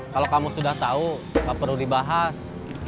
kalau kamu sudah tahu nggak perlu dibahas